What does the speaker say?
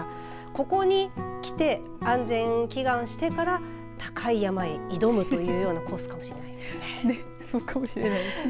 ここに来て安全を祈願してから高い山へ挑むという人もいるかもしれないですね。